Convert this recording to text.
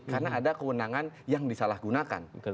karena ada kewenangan yang disalahgunakan